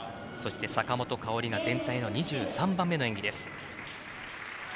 そして、坂本花織が全体の２３番目の演技です。